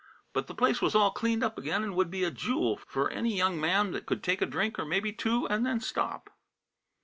But the place was all cleaned up again and would be a jool f'r anny young man that could take a drink, or maybe two, and then stop.